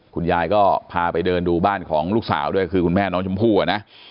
คุณยายก็พาไปเดินดูบ้านของลูกสาวด้วยคือคุณแม่น้องชมพู่อ่ะนะ